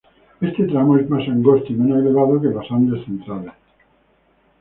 Este tramo es más angosto y menos elevado que los Andes centrales.